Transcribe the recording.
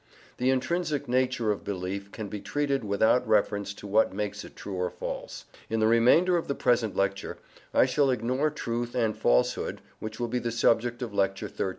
The intrinsic nature of belief can be treated without reference to what makes it true or false. In the remainder of the present lecture I shall ignore truth and falsehood, which will be the subject of Lecture XIII.